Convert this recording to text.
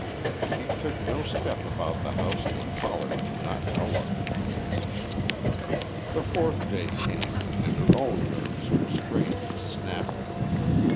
She took no step about the house that Pollard did not know of it. The fourth day came, and her own nerves were strained to snapping.